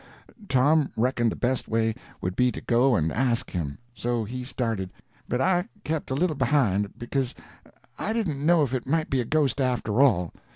Tom reckoned the best way would be to go and ask him. So he started; but I kept a little behind, because I didn't know but it might be a ghost, after all.